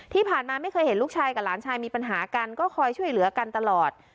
ไม่เคยเห็นลูกชายกับหลานชายมีปัญหากันก็คอยช่วยเหลือกันตลอด